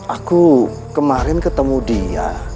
aku kemarin ketemu dia